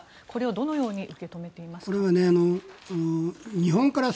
これをどのように受け止めていますか？